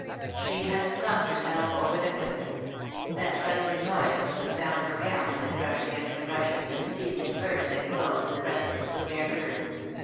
SHE had flung herself over the cliff. That rustling noise was the sound of her gown as it brushed against the rushes and seedling firs that clothed the precipice with verdure.